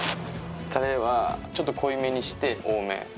たれはちょっと濃いめにして、多め。